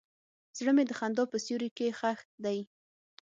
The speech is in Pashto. زړه مې د خندا په سیوري کې ښخ دی.